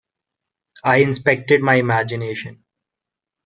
I inspected my imagination.